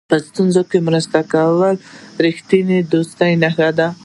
په ستونزو کې مرسته کول د رښتینې دوستۍ نښه ده.